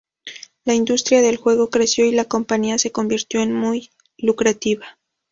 La industria del juego creció, y la compañía se convirtió en muy lucrativa.